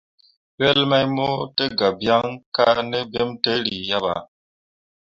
Wel mai mo tə ga byaŋ ka ne bentǝǝri ya ɓa.